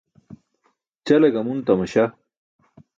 Ćale gamun tamaśah.